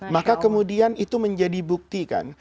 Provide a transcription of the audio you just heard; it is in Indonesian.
maka kemudian itu menjadi bukti kan